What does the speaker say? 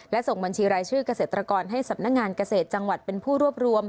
และส่งบัญชีรายชื่อเกษตรกรให้สำนักงานเกษตรจังหวัดเป็นผู้รวบรวม